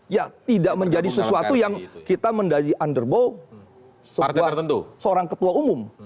ya tidak menjadi sesuatu yang kita menjadi underball seorang ketua umum